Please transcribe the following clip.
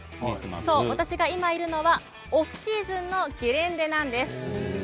私がいるのはオフシーズンのゲレンデです。